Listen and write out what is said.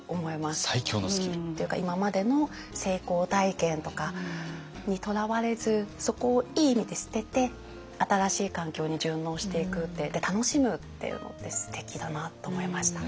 今までの成功体験とかにとらわれずそこをいい意味で捨てて新しい環境に順応していくって楽しむっていうのってすてきだなと思いましたね。